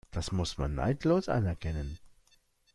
Das muss man neidlos anerkennen.